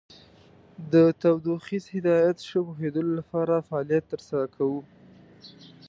د تودوخیز هدایت ښه پوهیدلو لپاره فعالیت تر سره کوو.